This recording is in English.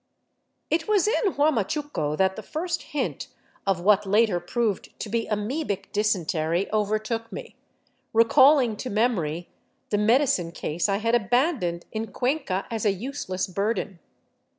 It was in Huamachuco that the first hint of what later proved to be amoebic dysentery overtook me, recalling to memory the medicine case I had abandoned in Cuenca as a useless burden.